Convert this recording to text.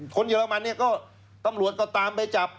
เยอรมันเนี่ยก็ตำรวจก็ตามไปจับ